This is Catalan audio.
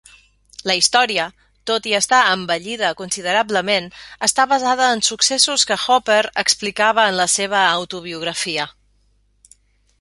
La història, tot i estar embellida considerablement, està basada en successos que Hopper explicava en la seva autobiografia.